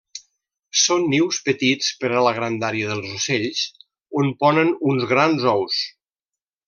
Són nius petits per a la grandària dels ocells, on ponen uns grans ous.